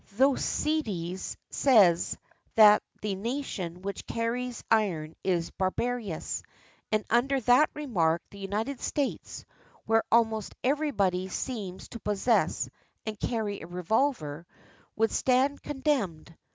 Thucydides says that " the nation which carries iron is barbarous," and under that remark the United States, where almost everybody seems to possess and carry a revolver, would stand con demned.